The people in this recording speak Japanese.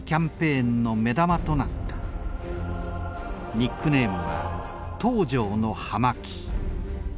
ニックネームは東條の葉巻。